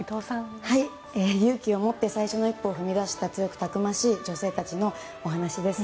勇気を持って最初の一歩を踏み出した強くたくましい女性たちのお話です。